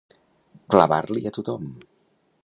Clavar-l'hi a tothom.